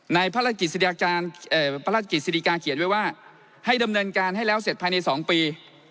พระราชกิจสิริกาเขียนไว้ว่าให้ดำเนินการให้แล้วเสร็จภายใน๒ปี